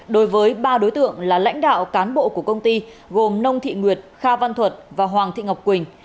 đối với ba đối tượng là lãnh đạo cán bộ của công ty gồm nông thị nguyệt kha văn thuật và hoàng thị ngọc quỳnh